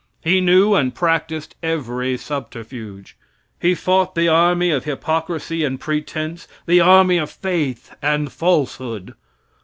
He knew and practiced every subterfuge. He fought the army of hypocrisy and pretense, the army of faith and falsehood.